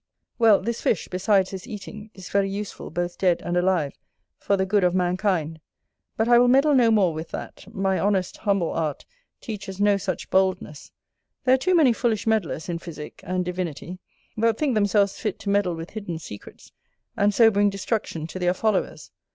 Well, this fish, besides his eating, is very useful, both dead and alive, for the good of mankind. But I will meddle no more with that, my honest, humble art teaches no such boldness: there are too many foolish meddlers in physick and divinity that think themselves fit to meddle with hidden secrets, and so bring destruction to their followers.